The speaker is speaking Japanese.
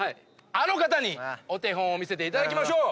お手本を見せていただきましょう。